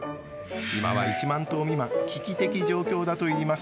今は、１万頭未満危機的状況だといいます。